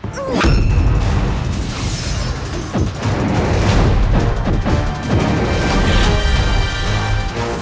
tidak ada bunda